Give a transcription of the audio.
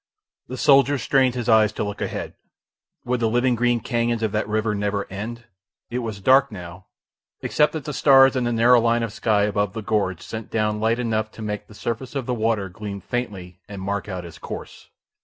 The soldier strained his eyes to look ahead. Would the living green canons of that river never end? It was dark now, except that the stars in the narrow line of sky above the gorge sent down light enough to make the surface of the water gleam faintly and mark out his course.